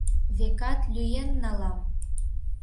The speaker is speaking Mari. Векат лӱен налам.